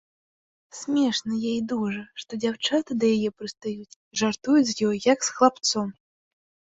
Смешна ёй дужа, што дзяўчаты да яе прыстаюць, жартуюць з ёй, як з хлапцом.